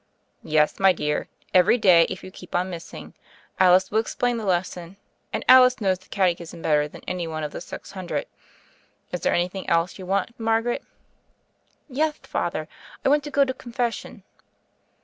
"Yes, my dear; every day, if you keep on missing, Alice will explam the lesson, and Alice knows the catechism better than any one of the six hundred. Is there anything else you want, Margaret ?" "Yeth, Father! I want to go to Confes sion?"